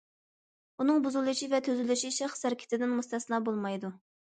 ئۇنىڭ بۇزۇلۇشى ۋە تۈزۈلۈشى شەخس ھەرىكىتىدىن مۇستەسنا بولمايدۇ.